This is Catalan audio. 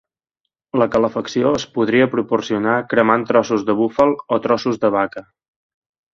La calefacció es podria proporcionar cremant trossos de búfal o trossos de vaca.